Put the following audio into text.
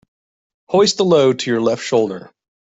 Hoist the load to your left shoulder.